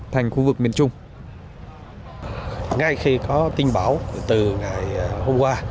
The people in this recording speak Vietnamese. thành khu vực miền nam